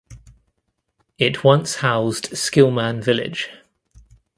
It once housed Skillman Village.